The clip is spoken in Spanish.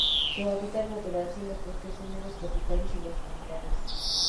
Su hábitat natural son los bosques húmedos tropicales y los manglares.